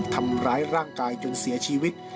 ทำร้ายร่างกายจนเสียชีวิต